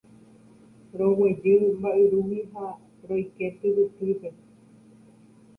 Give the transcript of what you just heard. Roguejy mba'yrúgui ha roike tyvytýpe